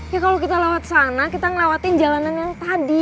ya kalau kita lewat sana kita ngelewatin jalanan yang tadi